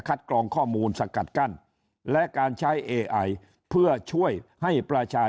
กรองข้อมูลสกัดกั้นและการใช้เอไอเพื่อช่วยให้ประชาชน